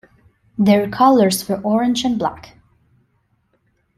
Their colors were orange and black.